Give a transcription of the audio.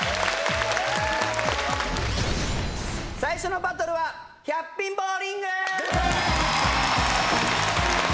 最初のバトルは１００ピンボウリング！